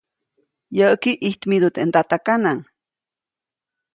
Yäʼki ʼijtmidu teʼ ndatakanaʼŋ.